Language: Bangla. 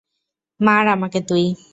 মার আমাকে তুই!